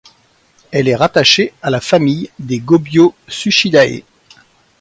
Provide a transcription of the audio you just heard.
Elle est rattachée à la famille des Gobiosuchidae.